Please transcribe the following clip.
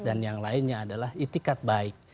dan yang lainnya adalah itikat baik